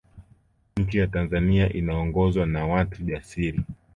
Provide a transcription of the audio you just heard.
nchi ya tanzani inaongozwa na watu jasiri